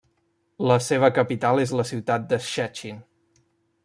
La seva capital és la ciutat de Szczecin.